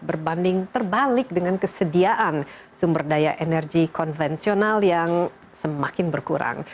berbanding terbalik dengan kesediaan sumber daya energi konvensional yang semakin berkurang